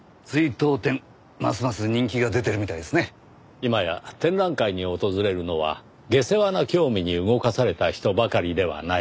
今や展覧会に訪れるのは下世話な興味に動かされた人ばかりではない。